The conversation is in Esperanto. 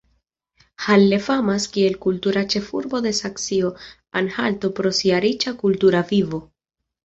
Halle famas kiel "kultura ĉefurbo" de Saksio-Anhalto pro sia riĉa kultura vivo.